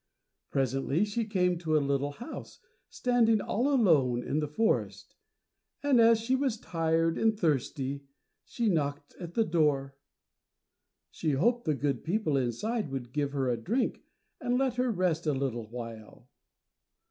Presently she came to a little house, standing all alone in the forest, and as she was tired and thirsty she knocked at the door. She hoped the good people inside would give her a drink, and let her rest a little while.